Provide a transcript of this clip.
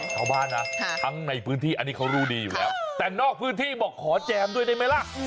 ชาวบ้านนะทั้งในพื้นที่อันนี้เขารู้ดีอยู่แล้วแต่นอกพื้นที่บอกขอแจมด้วยได้ไหมล่ะ